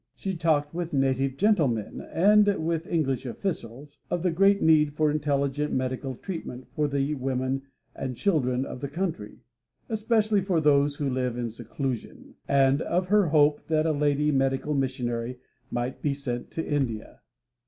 She talked with native gentlemen and with English officials of the great need for intelligent medical treatment for the women and children of the country, especially for those who live in seclusion, and of her hope that a lady medical missionary might be sent to India.